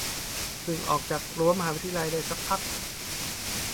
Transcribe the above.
เพิ่งออกจากรั้วมหาลัยได้สักพัก